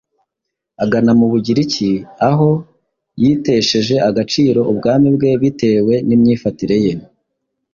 agana mu Bugiriki aho yitesheje agaciro ubwami bwe bitewe n’imyifatire ye.